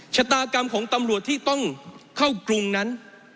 ชะตากรรมของตำรวจที่ต้องเข้ากรุงนั้น